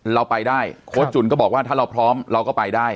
เราไปได้โค้ชจุนก็บอกว่าถ้าเราพร้อมเราก็ไปได้